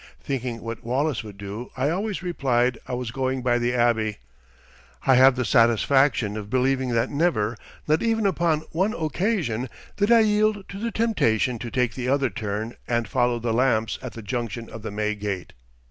Thinking what Wallace would do, I always replied I was going by the Abbey. I have the satisfaction of believing that never, not even upon one occasion, did I yield to the temptation to take the other turn and follow the lamps at the junction of the May Gate.